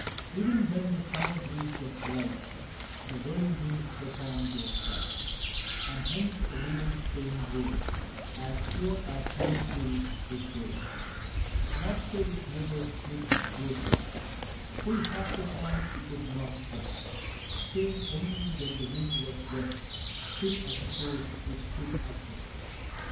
E'en when the summer breeze was light, The whirling wings performed their flight; And hence a village saying rose "As sure as Jones's mill, it goes." Not so with neighbor Smith's close by; Full half the time it would not ply: Save only when the wind was west, Still as a post it stood at rest.